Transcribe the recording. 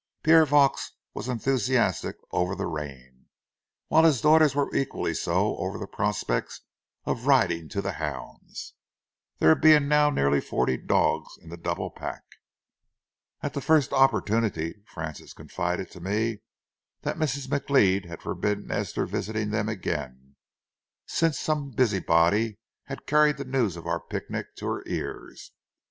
Pierre Vaux was enthusiastic over the rain, while his daughters were equally so over the prospects of riding to the hounds, there being now nearly forty dogs in the double pack. At the first opportunity, Frances confided to me that Mrs. McLeod had forbidden Esther visiting them again, since some busybody had carried the news of our picnic to her ears.